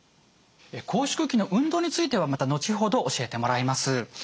拘縮期の運動についてはまた後ほど教えてもらいます。